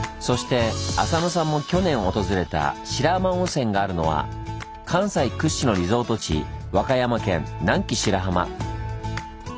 そして浅野さんも去年訪れた白浜温泉があるのは関西屈指のリゾート地和歌山県南紀白浜。